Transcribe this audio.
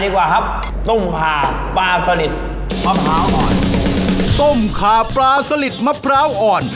กว่าครับต้มผ่าปลาสลิดมะพร้าวอ่อนต้มขาปลาสลิดมะพร้าวอ่อน